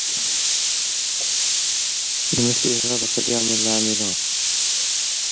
لِمِثْلِ هَذَا فَلْيَعْمَلْ الْعَامِلُونَ